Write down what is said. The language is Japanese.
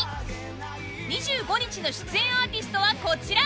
２５日の出演アーティストはこちら。